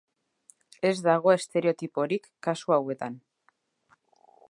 Ez dago estereotiporik kasu hauetan.